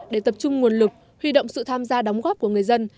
để tập trung nguồn lực huy động sự tham gia đóng góp của người dân